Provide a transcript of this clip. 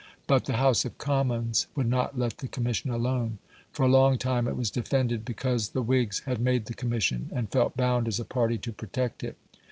But the House of Commons would not let the Commission alone. For a long time it was defended because the Whigs had made the Commission, and felt bound as a party to protect it.